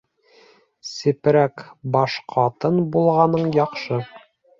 Сепрәк баш ҡатын булғаның яҡшы.